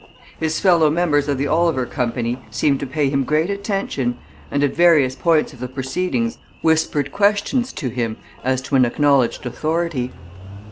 His fellow members of the Oliver company seemed to pay him great attention, and at various points of the proceedings whispered questions to him as to an acknowledged authority.